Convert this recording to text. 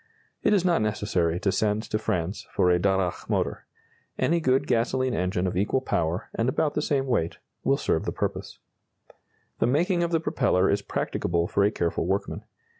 It is not necessary to send to France for a Darracq motor. Any good gasoline engine of equal power, and about the same weight, will serve the purpose. The making of the propeller is practicable for a careful workman.